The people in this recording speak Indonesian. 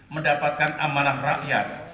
mendapatkan amanah rakyat